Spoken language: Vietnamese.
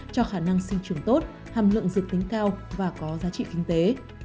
cho khả năng sinh trường tốt hàm lượng dược tính cao và có giá trị kinh tế